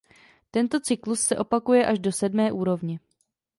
Tento cyklus se opakuje až do sedmé úrovně.